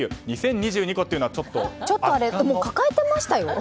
２０２２個というのは抱えてましたよ。